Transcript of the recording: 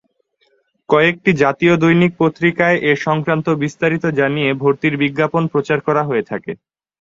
কয়েকটি জাতীয় দৈনিক পত্রিকায় এ সংক্রান্ত বিস্তারিত জানিয়ে ভর্তির বিজ্ঞাপন প্রচার করা হয়ে থাকে।